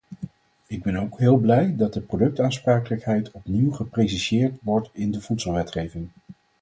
Ik ben ook heel blij dat productaansprakelijkheid opnieuw gepreciseerd wordt in de voedselwetgeving.